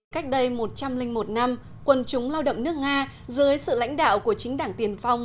cách đây một trăm linh một năm quân chúng lao động nước nga dưới sự lãnh đạo của chính đảng tiền phong